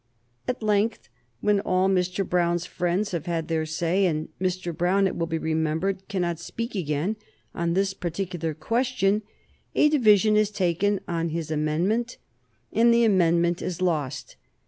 At length, when all Mr. Brown's friends have had their say and Mr. Brown, it will be remembered, cannot speak again on this particular question a division is taken on his amendment, and the amendment is lost.